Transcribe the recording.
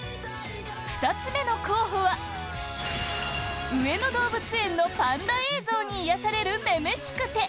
２つ目の候補は上野動物園のパンダ映像に癒やされる「女々しくて」